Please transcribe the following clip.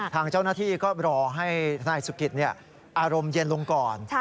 ทางเจ้านาที่ก็รอให้ถนัยศุกฤตเนี่ยอารมณ์เย็นลงก่อน